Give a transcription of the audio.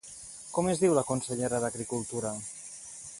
Com es diu la consellera d'Agricultura?